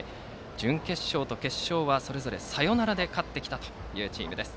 準決勝と決勝はそれぞれサヨナラで勝ってきたというチームです。